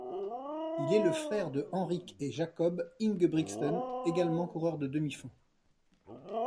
Il est le frère de Henrik et Jakob Ingebrigtsen, également coureurs de demi-fond.